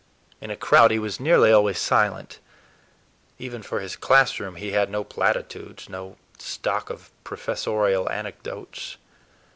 In a crowd he was nearly always silent. Even for his classroom he had no platitudes, no stock of professorial anecdotes.